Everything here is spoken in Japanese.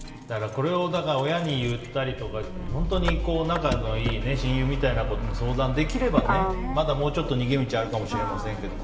これを親に言ったりとか本当に仲のいい親友みたいな子に相談できれば、まだもうちょっと逃げ道はあるかもしれないけど